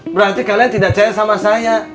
berarti kalian tidak percaya sama saya